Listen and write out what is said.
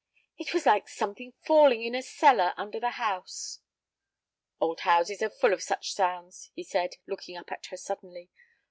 "It was like something falling in a cellar under the house." "Old houses are full of such sounds," he said, looking up at her suddenly.